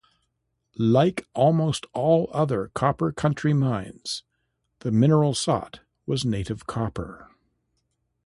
Like almost all other Copper Country mines, the mineral sought was native copper.